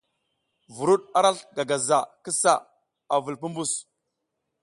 Vuruɗ arasl gagaza ki sa, ada vul pumbus.